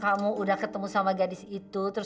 kamu sudah ketemu dengan wanita itu